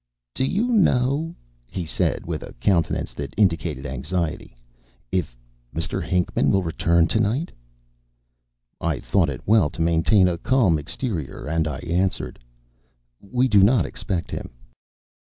"Do you know," he said, with a countenance that indicated anxiety, "if Mr. Hinckman will return to night?" I thought it well to maintain a calm exterior, and I answered: "We do not expect him."